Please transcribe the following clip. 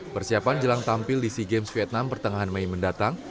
persiapan jelang tampil di sea games vietnam pertengahan mei mendatang